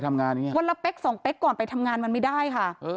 วันละเป๊ก๒เป๊กก่อนไปทำงานมันไม่ได้ค่ะ